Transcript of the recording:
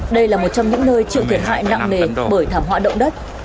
đây là một trong những nơi chịu thiệt hại nặng nề bởi thảm họa động đất